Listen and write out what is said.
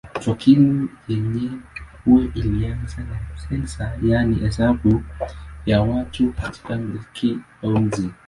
Takwimu yenyewe ilianza na sensa yaani hesabu ya watu katika milki au mji.